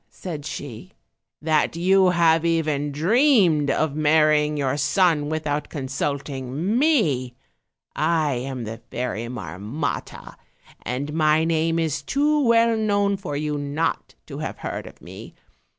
said she, "that you have even dreamed of marrying your son without consulting me; I am the Fairy Marmotta, and my name is too well known for you not to have heard of me.